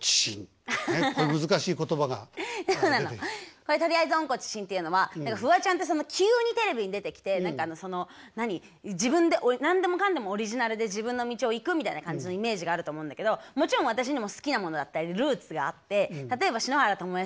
これ「とりあえず温故知新」っていうのはフワちゃんって急にテレビに出てきて自分で何でもかんでもオリジナルで自分の道を行くみたいな感じのイメージがあると思うんだけどもちろん私にも好きなものだったりルーツがあって例えば篠原ともえさんの。